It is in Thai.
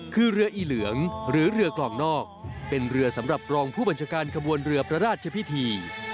คือเรืออีเหลืองหรือเรือกล่องนอกเป็นเรือสำหรับรองผู้บัญชาการขบวนเรือพระราชพิธี